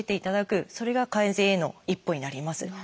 それが改善への一歩になります。